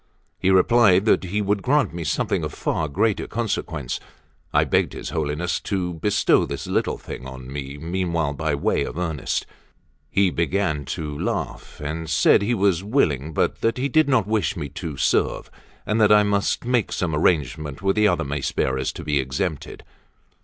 He replied that he would grant me something of far greater consequence. I begged his Holiness to bestow this little thing on me meanwhile by way of earnest. He began to laugh, and said he was willing, but that he did not wish me to serve, and that I must make some arrangement with the other mace bearers to be exempted.